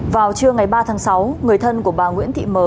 vào trưa ngày ba tháng sáu người thân của bà nguyễn thị mờ